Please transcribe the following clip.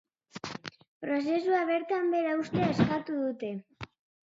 Prozesua bertan behera uztea eskatu dute.